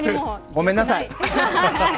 ごめんなさい。